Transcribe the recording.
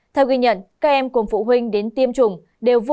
theo ghi nhận các em cùng phụ huynh đến tiêm chủng đều vô cùng khó